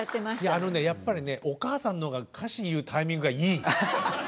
あのねやっぱりねお母さんの方が歌詞言うタイミングがいい。